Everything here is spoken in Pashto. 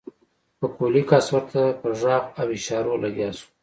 پکولي کس ورته په غږ او اشارو لګيا شو.